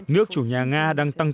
nước chủ nhà nga đang tăng tốc